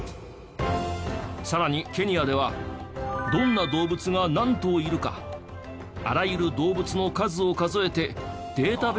さらにケニアではどんな動物が何頭いるかあらゆる動物の数を数えてデータベースを作成。